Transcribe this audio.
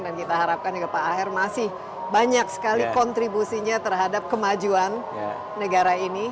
dan kita harapkan juga pak aher masih banyak sekali kontribusinya terhadap kemajuan negara ini